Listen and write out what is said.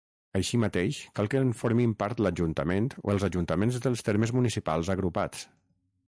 Així mateix, cal que en formin part l'ajuntament o els ajuntaments dels termes municipals agrupats.